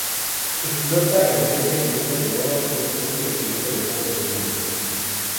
Explota el mayor yacimiento de oro y el segundo yacimiento de cobre del mundo.